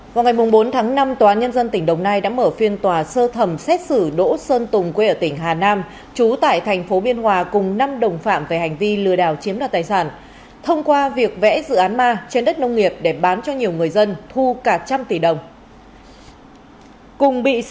vào ngày bốn tháng năm tòa nhân dân tỉnh đồng nai đã mở phiên tòa sơ thẩm xét xử đỗ xuân tùng quê ở tỉnh hà nam trú tại thành phố biên hòa cùng năm đồng phạm về hành vi lừa đảo chiếm đoạt tài sản thông qua việc vẽ dự án ma trên đất nông nghiệp để bán cho nhiều người dân thu cả trăm tỷ đồng